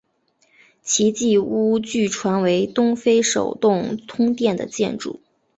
奇迹屋据传为东非首幢通电的建筑。